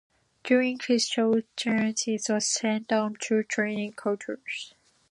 During this short tenure he was sent on two training courses.